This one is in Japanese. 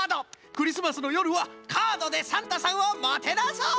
クリスマスのよるはカードでサンタさんをもてなそう！